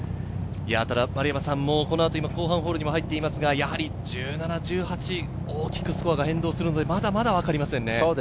丸山さん、後半ホールに入っていますが、１７、１８、大きくスコアが変動するので、まだまだ分かりませんね。